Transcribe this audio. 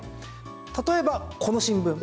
例えば、この新聞。